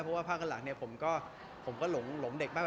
เพราะว่าภาคกันหลังเนี่ยผมก็หลงเด็กมาก